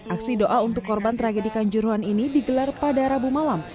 aksi doa untuk korban tragedi kanjuruhan ini digelar pada rabu malam